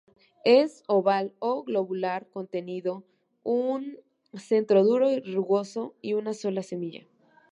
Es oval o globular conteniendo un centro duro y rugoso y una sola semilla.